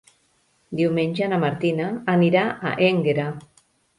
Diumenge na Martina anirà a Énguera.